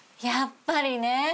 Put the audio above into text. やっぱりね。